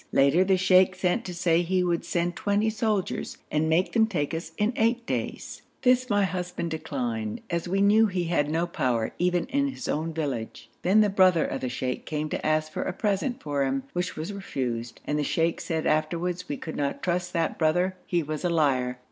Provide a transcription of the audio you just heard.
Later the sheikh sent to say he would send twenty soldiers, and make them take us in eight days. This my husband declined, as we knew he had no power, even in his own village. Then the brother of the sheikh came to ask for a present for him, which was refused, and the sheikh said afterwards we could not trust that brother, he was a liar.